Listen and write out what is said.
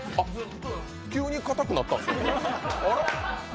急に硬くなったんですか？